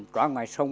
qua ngoài sông